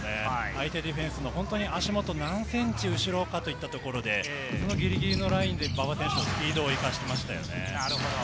相手ディフェンスの本当に足元、何ｃｍ後ろかといったところでギリギリのラインで馬場選手、スピードを生かしましたよね。